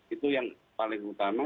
itu yang paling utama